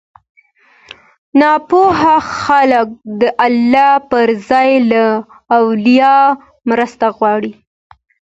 ناپوهه خلک د الله پر ځای له اولياوو مرسته غواړي